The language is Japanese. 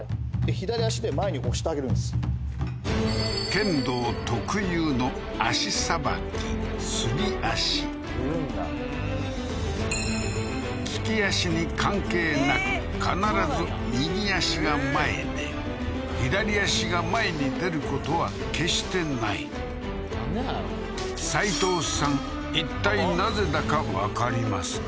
左足で前に押してあげるんです剣道特有の足さばきするんだ利き足に関係なく必ず右足が前で左足が前に出ることは決してないなんでなんやろ斉藤さんいったいなぜだかわかりますか？